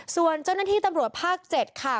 ส่วนเจ้าหน้าที่ตำรวจภาค๗ค่ะ